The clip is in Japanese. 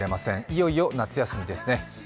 いよいよ夏休みですね。